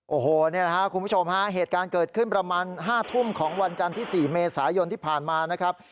โอ้โหนี่แหละครับคุณผู้ชมฮะเหตุการณ์เกิดขึ้นประมาณ๕ทุ่มของวันจันทร์ที่๔เมษายนที่ผ่านมานะครับ